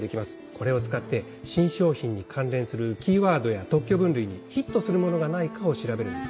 これを使って新商品に関連するキーワードや特許分類にヒットするものがないかを調べるんです。